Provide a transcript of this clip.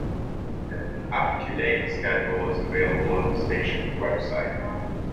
An up-to-date schedule is available on the station's website.